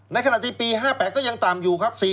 ในขณะที่ปี๕๘ก็ยังต่ำอยู่ครับ